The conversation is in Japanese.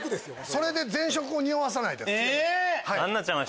それで前職をにおわさないです。